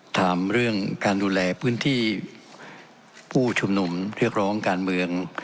ถามเรื่องการดูแลพื้นที่ผู้ชุมนุมเรียกร้องการเมือง